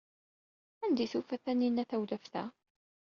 Anda ay tufa Taninna tawlaft-a?